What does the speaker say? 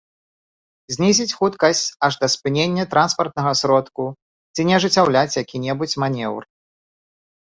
Знізіць хуткасць аж да спынення транспартнага сродку ці не ажыццяўляць які-небудзь манеўр